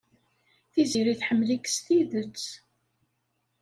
Tiziri tḥemmel-ik s tidet.